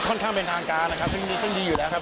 ค่อนข้างเป็นทางการนะครับซึ่งดีอยู่แล้วครับ